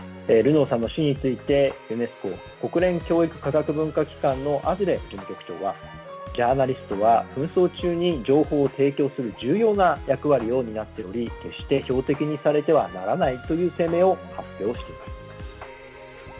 ルノーさんの死についてユネスコ＝国連教育科学文化機関のアズレ事務局長はジャーナリストは紛争中に情報を提供する重要な役割を担っており決して標的にされてはならないという声明を発表しています。